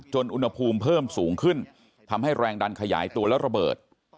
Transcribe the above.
อุณหภูมิเพิ่มสูงขึ้นทำให้แรงดันขยายตัวและระเบิด